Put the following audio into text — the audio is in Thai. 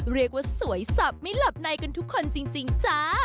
เรียกว่าสวยสับไม่หลับในกันทุกคนจริงจ้า